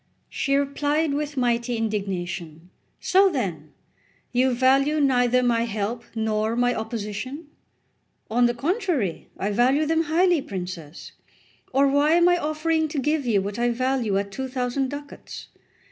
She replied with mighty indignation: "So then you value neither my help nor my opposition?" "On the contrary, I value them highly, princess; or why am I offering to give you what I value at two thousand ducats?